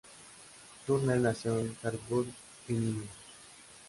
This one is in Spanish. Turner nació en Harrisburg, Illinois.